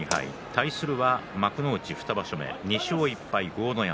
対するは幕内２場所目２勝１敗の豪ノ山。